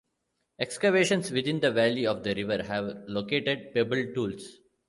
Excavations within the valley of the river have located pebble tools.